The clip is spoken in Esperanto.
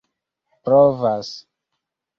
provas